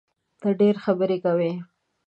ته ډېري خبري کوې!